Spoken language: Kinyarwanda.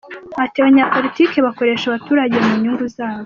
Ati”Abanyapolitiki bakoresha abaturage mu nyungu zabo.